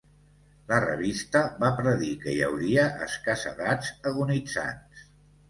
La revista va predir que hi hauria escassedats agonitzants.